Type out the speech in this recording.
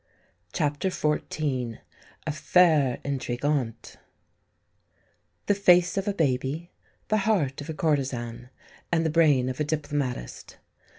CHAPTER XIV A FAIR INTRIGANTE The face of a baby, the heart of a courtesan, and the brain of a diplomatist.